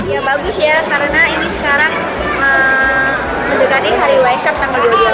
ya bagus ya karena ini sekarang mendekati hari waisak tanggal dua puluh